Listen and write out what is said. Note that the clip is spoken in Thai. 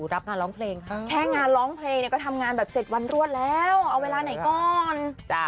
แค่งานร้องเพลงก็ทำงานแบบ๗วันรวดแล้วเอาเวลาไหนก่อน